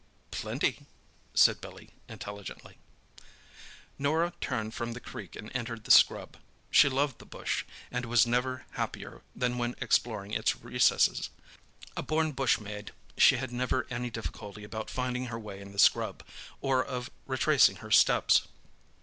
"Plenty," said Billy intelligently. Norah turned from the creek and entered the scrub. She loved the bush, and was never happier than when exploring its recesses. A born bushmaid, she had never any difficulty about finding her way in the scrub, or of retracing her steps.